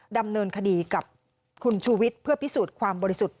ดำเนินคดีกับคุณชูวิทย์เพื่อพิสูจน์ความบริสุทธิ์